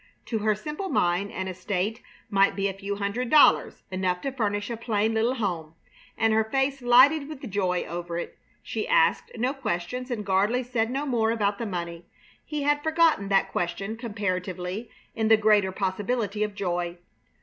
To her simple mind an estate might be a few hundred dollars, enough to furnish a plain little home; and her face lighted with joy over it. She asked no questions, and Gardley said no more about the money. He had forgotten that question, comparatively, in the greater possibility of joy.